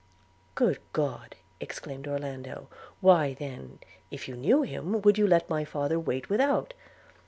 'Good God!' exclaimed Orlando; 'and why, then, if you knew him, would you let my father wait without?'